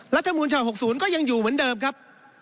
รัฐมนูลฉบับ๖๐ก็ยังอยู่เหมือนเดิมครับ